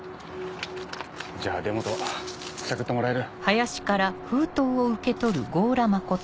じゃあ出元探ってもらえる？